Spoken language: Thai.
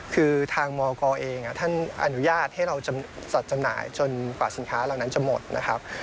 คือทางมกเองท่านอนุญาตให้เราจัดจำหน่ายจนกว่าสินค้าเหล่านั้นจะหมดนะครับ